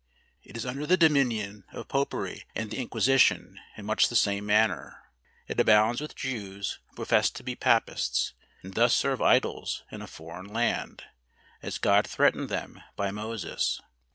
It is under the dominion of popery and the Inquisition, in much the same manner. It abounds with Jews, who profess to be papists; and thus serve idols in a foreign land, as God threatened them by Moses.